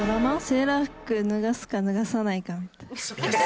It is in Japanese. セーラー服脱がすか脱がさないかみたいな。